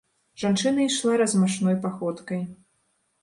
Жанчына ішла размашной паходкай.